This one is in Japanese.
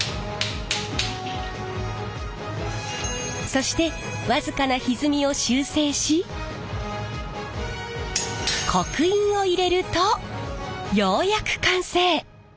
そして僅かなひずみを修正し刻印を入れるとようやく完成。